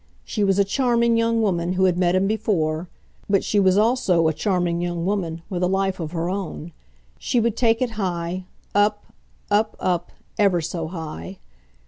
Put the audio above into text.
She was a charming young woman who had met him before, but she was also a charming young woman with a life of her own. She would take it high up, up, up, ever so high.